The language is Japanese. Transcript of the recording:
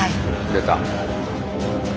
出た。